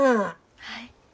はい。